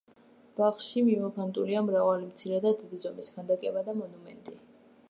ბაღში მიმოფანტულია მრავალი მცირე და დიდი ზომის ქანდაკება და მონუმენტი.